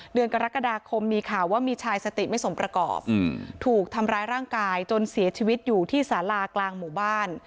เดือนกรกฎาคมมีข่าวว่ามีชายสติไม่สมประกอบถูกทำร้ายร่างกายจนเสียชีวิตอยู่ที่สารากลางหมู่บ้าน